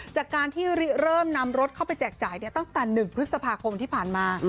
จากการที่เริ่มนำรถเข้าไปแจกจ่ายตั้งแต่๑พฤษภาคมที่ผ่านมา